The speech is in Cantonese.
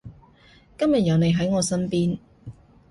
今日有你喺我身邊